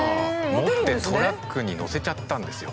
持ってトラックに載せちゃったんですよ。